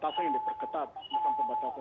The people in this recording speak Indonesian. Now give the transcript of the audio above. terjadi peningkatan kasus